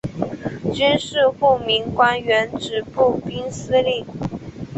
军事护民官原指步兵司令。